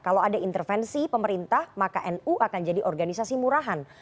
kalau ada intervensi pemerintah maka nu akan jadi organisasi murahan